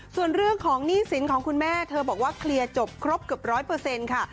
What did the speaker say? ส่วนเรื่องของหนี้สินของคุณแม่เธอบอกว่าเคลียร์จบครบเกือบร้อยเปอร์เซ็นต์ค่ะ